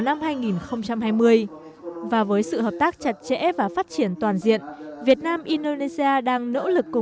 năm hai nghìn hai mươi và với sự hợp tác chặt chẽ và phát triển toàn diện việt nam indonesia đang nỗ lực cùng